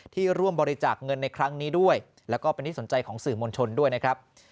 ร่วมบริจาคเงินในครั้งนี้ด้วยแล้วก็เป็นที่สนใจของสื่อมวลชนด้วยนะครับ